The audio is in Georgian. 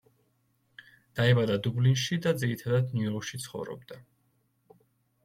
დაიბადა დუბლინში და ძირითადად ნიუ-იორკში ცხოვრობდა.